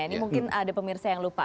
ini mungkin ada pemirsa yang lupa